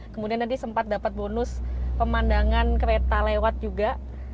kemudian tadi sempat dapat bonus pemandangan kereta lewat juga